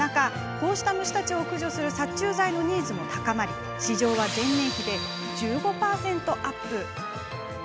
こうした虫たちを駆除する殺虫剤のニーズも高まり市場は、前年比で１５％アップ。